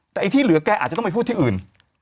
แต่ไอ้ที่เหลือแกอาจจะต้องไปพูดที่อื่น